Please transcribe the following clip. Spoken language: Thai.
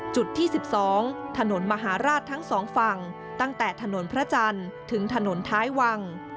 จุดที่๑๒ถนนมหาราชทั้งสองฝั่งตั้งแต่ถนนพระจันทร์ถึงถนนท้ายวัง